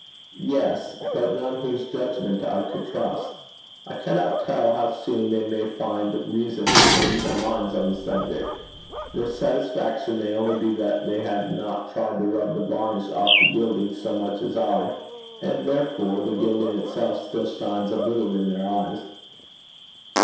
'Yes. But none whose judgment I could trust. I cannot tell how soon they may find reason to change their minds on the subject. Their satisfaction may only be that they have not tried to rub the varnish off the gilding so much as I, and therefore the gilding itself still shines a little in their eyes.'